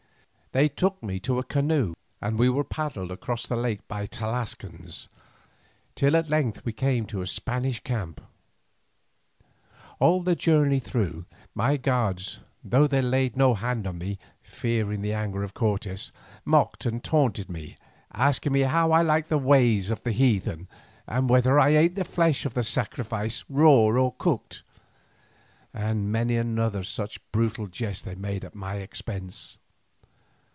They took me to a canoe, and we were paddled across the lake by Tlascalans, till at length we came to the Spanish camp. All the journey through, my guards, though they laid no hand on me, fearing the anger of Cortes, mocked and taunted me, asking me how I liked the ways of the heathen, and whether I ate the flesh of the sacrifices raw or cooked; and many another such brutal jest they made at my expense.